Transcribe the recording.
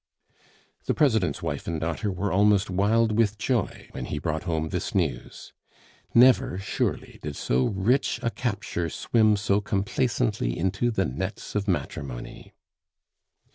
The President's wife and daughter were almost wild with joy when he brought home this news. Never, surely, did so rich a capture swim so complacently into the nets of matrimony.